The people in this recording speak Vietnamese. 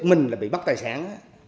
mình bị bắt tài sản